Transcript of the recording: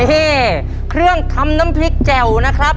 เครื่องทำน้ำพริกแจ่วนะครับ